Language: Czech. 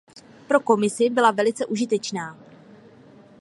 Pro Komisi byla velice užitečná.